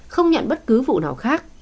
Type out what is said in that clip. không nhận bất cứ vụ nào khác